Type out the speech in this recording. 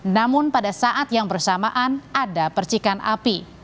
namun pada saat yang bersamaan ada percikan api